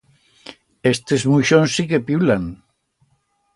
Estes muixons sí que piulan.